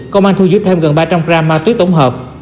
công an thu giữ thêm gần ba trăm linh gram ma túy tổng hợp